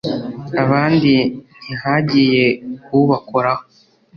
abandi ntihagiye ubakoraho”